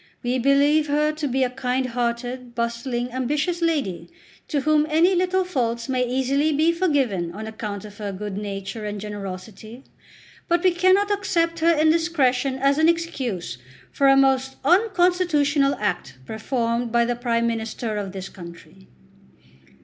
We believe her to be a kind hearted, bustling, ambitious lady, to whom any little faults may easily be forgiven on account of her good nature and generosity. But we cannot accept her indiscretion as an excuse for a most unconstitutional act performed by the Prime Minister of this country."